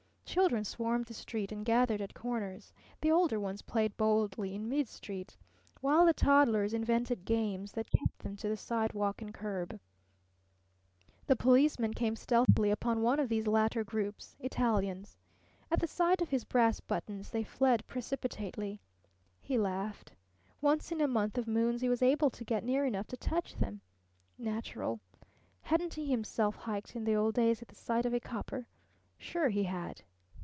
Children swarmed the street and gathered at corners. The older ones played boldly in midstreet, while the toddlers invented games that kept them to the sidewalk and curb. The policeman came stealthily upon one of these latter groups Italians. At the sight of his brass buttons they fled precipitately. He laughed. Once in a month of moons he was able to get near enough to touch them. Natural. Hadn't he himself hiked in the old days at the sight of a copper? Sure, he had.